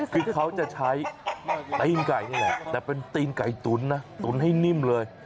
คือเขาจะใช้ตีนไก่นี่แหละแต่เป็นตีนไก่ตุ๋นนะตุ๋นให้นิ่มเลย